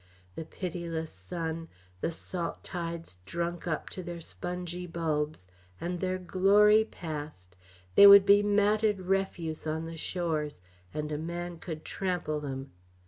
The pitiless sun, the salt tides drunk up to their spongy bulbs, and their glory passed they would be matted refuse on the shores and a man could trample them.